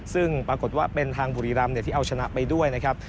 ซึ่งปรากฏว่าเป็นทางบุรีรำที่เอาชนะไปด้วยนะครับ